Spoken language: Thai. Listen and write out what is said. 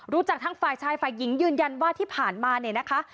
ทั้งฝ่ายชายฝ่ายหญิงยืนยันว่าที่ผ่านมาเนี่ยนะคะ